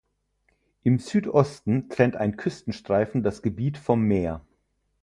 Im Südosten trennt ein Küstenstreifen das Gebiet vom Meer.